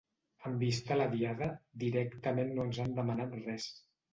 Amb vista a la Diada, directament no ens han demanat res.